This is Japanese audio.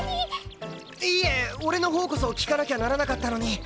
いえ俺のほうこそ聞かなきゃならなかったのに。